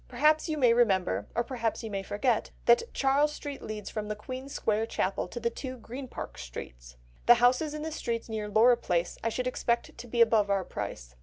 Perhaps you may remember, or perhaps you may forget, that Charles Street leads from the Queen's Square Chapel to the two Green Park Streets. The houses in the streets near Laura Place I should expect to be above our price.